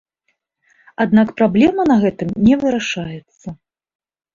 Аднак праблема на гэтым не вырашаецца.